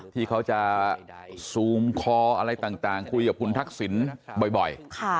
ที่เขาจะซูมคออะไรต่างคุยกับคุณทักษิณบ่อย